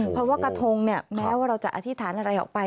เพราะว่ากระทงเนี่ยแม้ว่าเราจะอธิษฐานอะไรออกไป